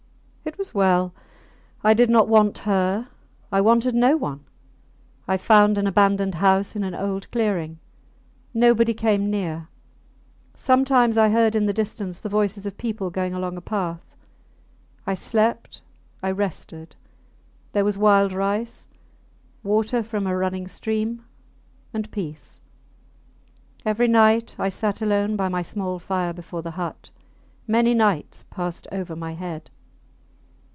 It was well. I did not want her; I wanted no one. I found an abandoned house in an old clearing. Nobody came near. Sometimes I heard in the distance the voices of people going along a path. I slept; I rested; there was wild rice, water from a running stream and peace! Every night I sat alone by my small fire before the hut. Many nights passed over my head.